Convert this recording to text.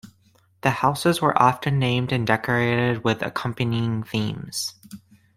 The houses were often named and decorated with accompanying themes.